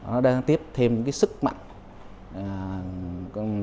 nó đang tiếp thêm sức mạnh